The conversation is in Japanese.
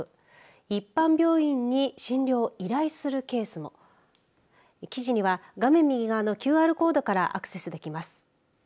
一般病院に診療依頼するケースも記事には画面右側のＱＲコードからアクセスできます。